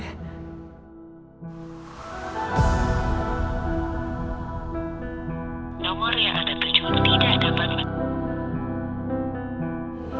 namanya ada berjurut tidak ada bang